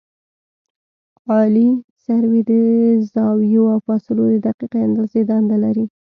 عالي سروې د زاویو او فاصلو د دقیقې اندازې دنده لري